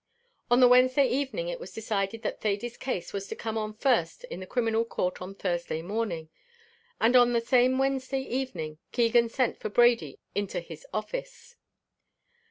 On the Wednesday evening it was decided that Thady's case was to come on first in the criminal court on Thursday morning, and on the same Wednesday evening Keegan sent for Brady into his office.